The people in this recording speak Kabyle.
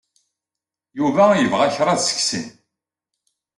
Yuba yebɣa kraḍ seg-sen.